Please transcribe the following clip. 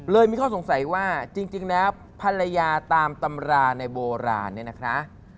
มีข้อสงสัยว่าจริงแล้วภรรยาตามตำราในโบราณเนี่ยนะคะ